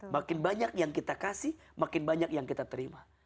makin banyak yang kita kasih makin banyak yang kita terima